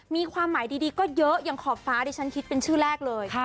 มีความหมายดีก็เยอะอย่างขอบฟ้าดิฉันคิดเป็นชื่อแรกเลย